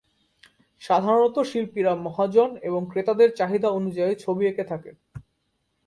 সাধারণত শিল্পীরা মহাজন এবং ক্রেতাদের চাহিদা অনুযায়ী ছবি এঁকে থাকেন।